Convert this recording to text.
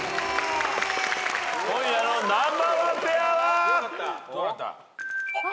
今夜のナンバーワンペアは？